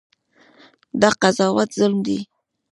دا قضاوت ظلم دی.